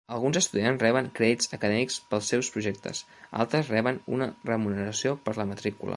Alguns estudiants reben crèdits acadèmics pels seus projectes; altres reben una remuneració per la matrícula.